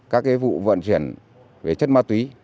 các cái vụ vận chuyển về chất ma túy